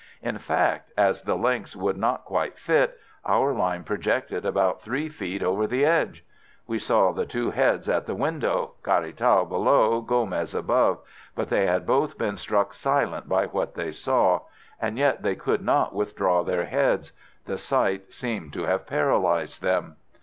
In fact, as the lengths would not quite fit, our line projected about three feet over the edge. We saw the two heads at the window: Caratal below, Gomez above; but they had both been struck silent by what they saw. And yet they could not withdraw their heads. The sight seemed to have paralyzed them.